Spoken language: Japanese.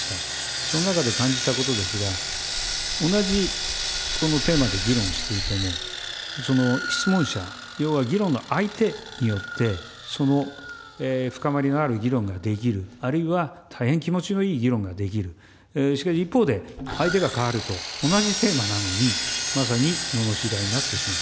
その中で感じたことですが、同じテーマで議論していても、質問者、要は議論の相手によって、その深まりがある議論ができる、あるいは、大変気持ちのいい議論ができる、しかし一方で、相手が代わると、同じテーマなのに、まさにののしり合いになってしまう。